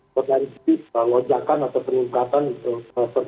otoritas wajahkan atau peningkatan permintaan kamar nantinya